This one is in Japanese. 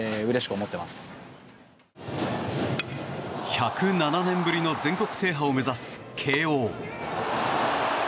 １０７年ぶりの全国制覇を目指す慶應。